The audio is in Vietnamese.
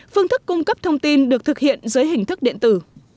phương thức cung cấp thông tin được thực hiện dưới hình thức điện tử